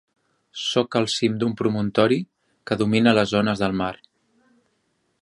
Soc al cim d’un promontori que domina les ones de la mar.